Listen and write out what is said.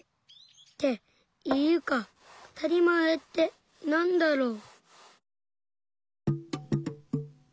っていうかあたりまえってなんだろう。